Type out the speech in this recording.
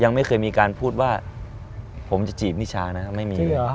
ยังไม่เคยมีการพูดว่าผมจะจีบนิชานะไม่เคยเลยทีเลย